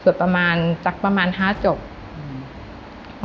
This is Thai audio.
สวดประมาณสักประมาณ๕จบอืม